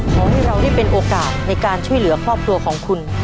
ขอให้เราได้เป็นโอกาสในการช่วยเหลือครอบครัวของคุณ